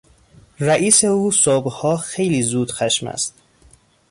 رئیس او صبحها خیلی زود خشم است.